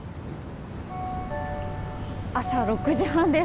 朝６時半です。